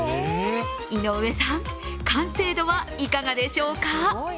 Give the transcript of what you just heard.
井上さん、完成度はいかがでしょうか？